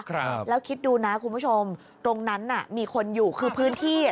ครับแล้วคิดดูนะคุณผู้ชมตรงนั้นน่ะมีคนอยู่คือพื้นที่อ่ะ